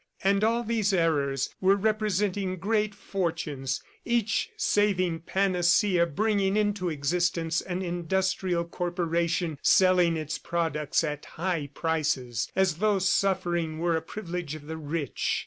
And all these errors were representing great fortunes, each saving panacea bringing into existence an industrial corporation selling its products at high prices as though suffering were a privilege of the rich.